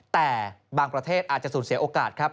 แต่บางประเทศอาจจะสูญเสียโอกาสครับ